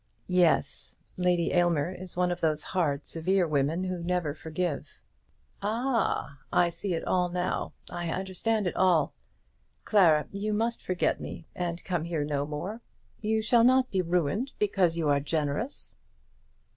"Yes. Lady Aylmer is one of those hard, severe women who never forgive." "Ah, I see it all now. I understand it all. Clara, you must forget me, and come here no more. You shall not be ruined because you are generous."